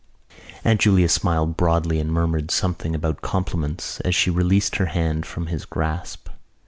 Aunt Julia smiled broadly and murmured something about compliments as she released her hand from his grasp.